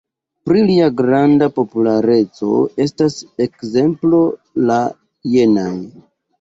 Pri lia granda populareco estas ekzemplo la jenaj.